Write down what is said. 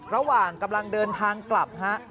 ระหว่างกำลังเดินทางกลับฮะ